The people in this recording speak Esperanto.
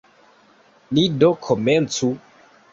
Ni do komencu.